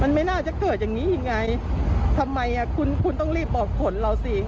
มันไม่น่าจะเกิดอย่างงี้อีกไงทำไมอ่ะคุณคุณต้องรีบบอกผลเราสิ